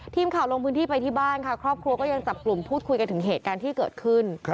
ทีมข่าวลงพื้นที่ไปที่บ้านค่ะครอบครัวก็ยังจับกลุ่มพูดคุยกันถึงเหตุการณ์ที่เกิดขึ้น